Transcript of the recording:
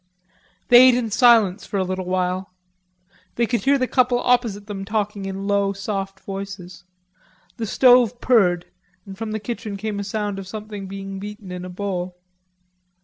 They ate in silence for a little while. They could hear the couple opposite them talking in low soft voices. The stove purred, and from the kitchen came a sound of something being beaten in a bowl.